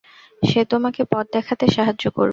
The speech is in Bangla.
সে তোমাকে পথ দেখাতে সাহায্য করবে।